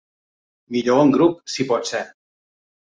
Millor en grup, si pot ser.